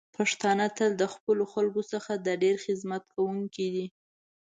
پښتانه تل د خپلو خلکو څخه د ډیر خدمت کوونکی دی.